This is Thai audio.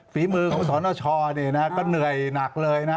ฝีมือของสนชเนี่ยนะก็เหนื่อยหนักเลยนะ